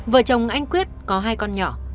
vợ chồng anh quyết có hai con nhỏ